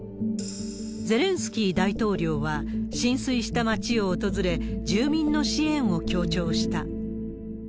ゼレンスキー大統領は、浸水した町を訪れ、住民の支援を強調した。